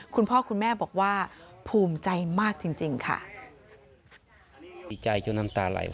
คุณพ่อคุณแม่บอกว่าภูมิใจมากจริงค่ะ